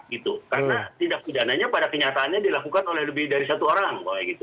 karena tindak pidana pada kenyataannya dilakukan oleh lebih dari satu orang